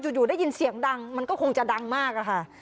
อยู่ได้ยินเสียงดังมันก็คงจะดังมากอะค่ะ